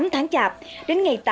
hai mươi tám tháng chạp đến ngày tám